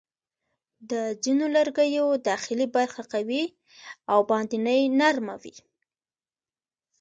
د ځینو لرګیو داخلي برخه قوي او باندنۍ نرمه وي.